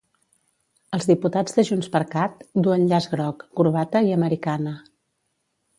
Els diputats de JxCat duen llaç groc, corbata i americana.